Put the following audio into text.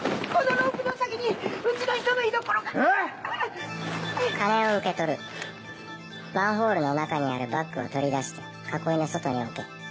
マンホールの中にあるバッグを取り出して囲いの外に置け。